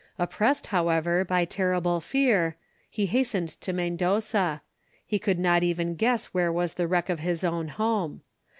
Oppressed, however, by terrible fear, he hastened to Mendoza. He could not even guess where was the wreck of his own home.